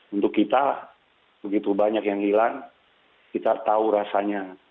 untuk kita begitu banyak yang hilang kita tahu rasanya